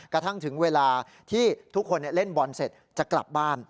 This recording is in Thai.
กระทั่งถึงเวลาที่ทุกคนเล่นบอลเสร็จจะกลับบ้าน